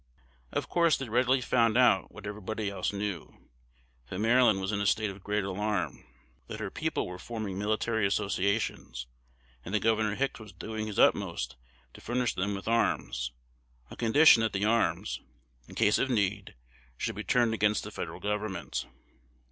Of course they readily found out what everybody else knew, that Maryland was in a state of great alarm; that her people were forming military associations, and that Gov. Hicks was doing his utmost to furnish them with arms, on condition that the arms, in case of need, should be turned against the Federal Government.